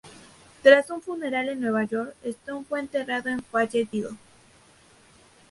Tras un funeral en Nueva York, Stone fue enterrado en Fayetteville.